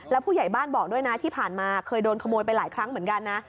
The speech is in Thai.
แล้วผู้ใหญ่บ้านบอกด้วยนะที่ผ่านมาเคยโดนขโมยไปหลายครั้งเหมือนกันนะ